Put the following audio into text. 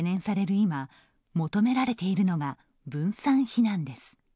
今求められているのが分散避難です。